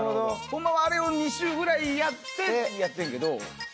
ホンマはあれを２周ぐらいやってやってんけど。